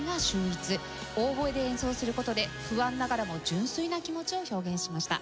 オーボエで演奏する事で不安ながらも純粋な気持ちを表現しました。